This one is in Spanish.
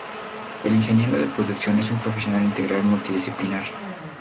El ingeniero de Producción es un profesional Integral multidisciplinar.